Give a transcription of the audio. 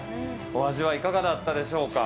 お味はいかがだったでしょうか？